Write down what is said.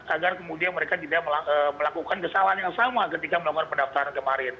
agar kemudian mereka tidak melakukan kesalahan yang sama ketika melakukan pendaftaran kemarin